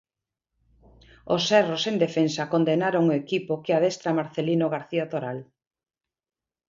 Os erros en defensa condenaron o equipo que adestra Marcelino García Toral.